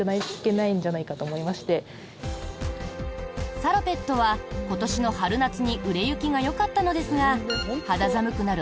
サロペットは今年の春夏に売れ行きがよかったのですが肌寒くなる